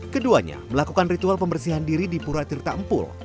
keduanya melakukan ritual pembersihan diri di pura tirtampul